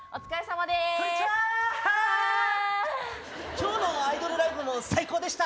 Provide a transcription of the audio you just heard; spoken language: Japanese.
今日のアイドルライブも最高でした！